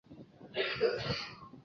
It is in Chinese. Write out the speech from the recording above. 中心附近坐落了一群低矮的山丘。